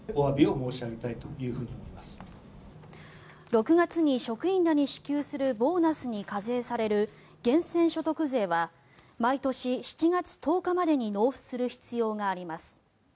６月に職員らに支給するボーナスに課税される源泉所得税は毎年７月１０日までに納付する必要があります。